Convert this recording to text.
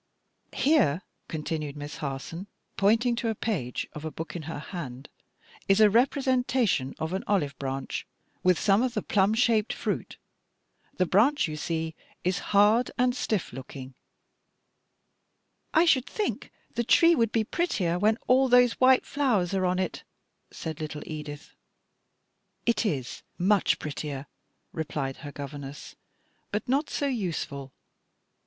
Here," continued Miss Harson, pointing to a page of a book in her hand, "is a representation of an olive branch with some of the plum shaped fruit. The branch, you see, is hard and stiff looking." [Illustration: OLIVE BRANCH WITH FRUIT.] "I should think the tree would be prettier when all those white flowers are on it," said little Edith. "It is much prettier," replied her governess "but not so useful.